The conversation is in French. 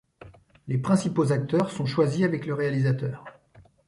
Les principaux acteurs sont choisis avec le réalisateur.